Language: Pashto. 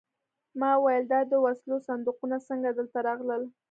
ما وویل دا د وسلو صندوقونه څنګه دلته راغلل